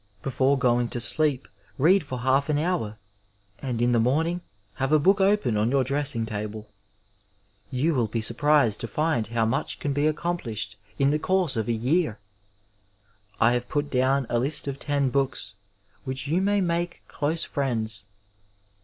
Before going to sleep read for half an hour, and in the morning have a book open on your dressing table. Tou will be surprised to find how much can be accomplished in the course of a year. I have put down a list of ten books which you may make close friends.